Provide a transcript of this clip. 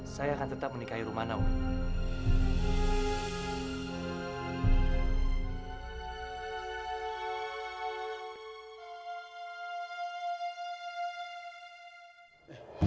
saya akan tetap menikahi rumana umi